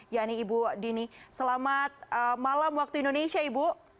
yakni ibu dini selamat malam waktu indonesia ibu